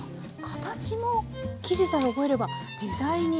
形も生地さえ覚えれば自在に。